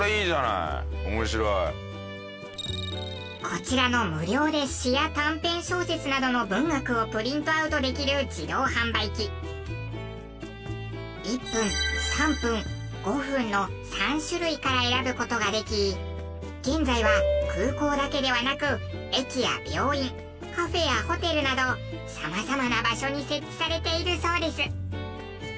こちらの無料で詩や短編小説などの文学をプリントアウトできる自動販売機。から選ぶ事ができ現在は空港だけではなく駅や病院カフェやホテルなど様々な場所に設置されているそうです。